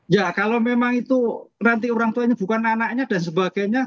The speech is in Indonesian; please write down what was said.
ya kalau memang itu nanti orang tuanya bukan anaknya dan sebagainya